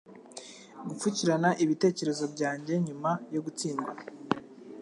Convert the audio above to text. Gupfukirana ibitekerezo byanjye nyuma yo gutsindwa